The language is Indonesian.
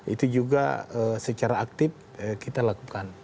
itu juga secara aktif kita lakukan